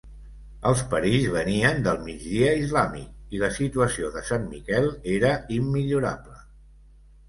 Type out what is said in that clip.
Els perills venien del migdia islàmic i la situació de Sant Miquel era immillorable.